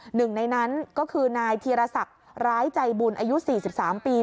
หนึ่งในนั้นก็คือนายธีรศักดิ์ร้ายใจบุญอายุ๔๓ปี